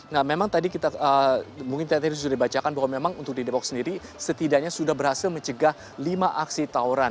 nah memang tadi kita mungkin tadi sudah dibacakan bahwa memang untuk di depok sendiri setidaknya sudah berhasil mencegah lima aksi tawuran